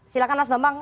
silahkan mas bambang